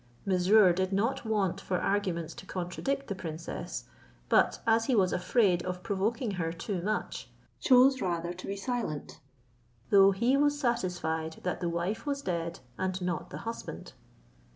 Mesrour did not want for arguments to contradict the princess; but, as he was afraid of provoking her too much, chose rather to be silent, though he was satisfied that the wife was dead, and not the husband.